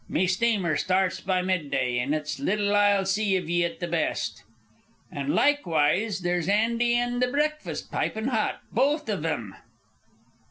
"Me steamer starts by mid day, an' it's little I'll see iv ye at the best. An' likewise there's Andy an' the breakfast pipin' hot, both iv them."